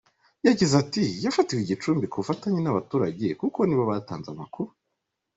Yagize ati “ Yafatiwe i Gicumbi ku bufatanye n’abaturage kuko nibo batanze amakuru.